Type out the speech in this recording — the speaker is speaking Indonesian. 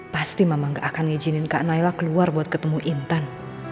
pasti mama enggak akan ngijinin kak nailah keluar buat ketemu intan